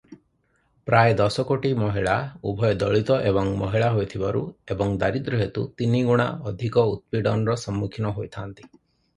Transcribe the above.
ପ୍ରାୟ ଦଶ କୋଟି ମହିଳା ଉଭୟ ଦଳିତ ଏବଂ ମହିଳା ହୋଇଥିବାରୁ ଏବଂ ଦାରିଦ୍ର୍ୟ ହେତୁ ତିନି ଗୁଣା ଅଧିକ ଉତ୍ପୀଡ଼ନର ସମ୍ମୁଖୀନ ହୋଇଥାନ୍ତି ।